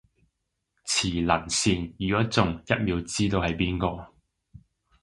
磁能線，如果中，一秒知道係邊個